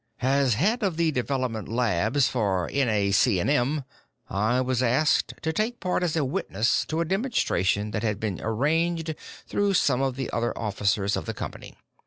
"As head of the development labs for NAC&M, I was asked to take part as a witness to a demonstration that had been arranged through some of the other officers of the company.